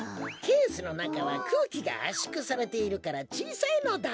ケースのなかはくうきがあっしゅくされているからちいさいのだ！